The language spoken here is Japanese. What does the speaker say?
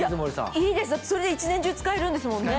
いいですそれで１年中使えるんですもんね。